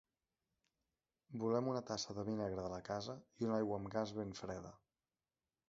Volem una tassa de vi negre de la casa, i aigua amb gas ben freda.